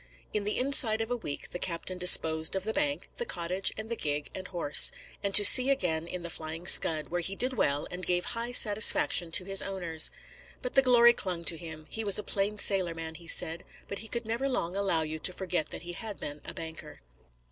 In the inside of a week the captain disposed of the bank, the cottage, and the gig and horse; and to sea again in the Flying Scud, where he did well and gave high satisfaction to his owners. But the glory clung to him; he was a plain sailor man, he said, but he could never long allow you to forget that he had been a banker.